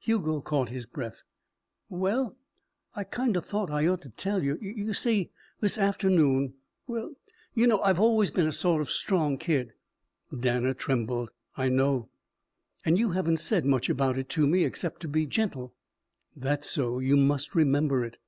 Hugo caught his breath. "Well I kind of thought I ought to tell you. You see this afternoon well you know I've always been a sort of strong kid " Danner trembled. "I know " "And you haven't said much about it to me. Except to be gentle " "That's so. You must remember it."